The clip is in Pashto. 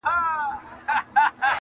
• له ملوک سره وتلي د بدریو جنازې دي -